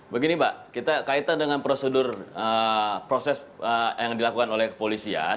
begini mbak kita kaitan dengan proses yang dilakukan oleh kepolisian